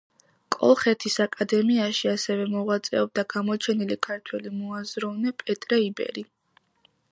კოლხეთის აკადემიაში ასევე მოღვაწეობდა გამოჩენილი ქართველი მოაზროვნე პეტრე იბერი.